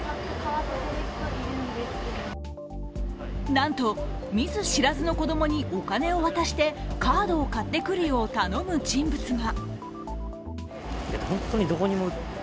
なんと、見ず知らずの子供にお金を渡してカードを買ってくるよう頼む人物が。